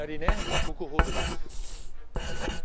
国宝です。